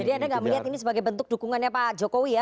jadi anda enggak melihat ini sebagai bentuk dukungannya pak jokowi ya